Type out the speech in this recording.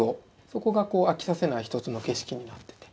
そこが飽きさせない一つの景色になっていて。